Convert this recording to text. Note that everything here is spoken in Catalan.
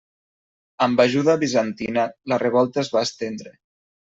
Amb ajuda bizantina la revolta es va estendre.